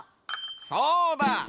そうだ！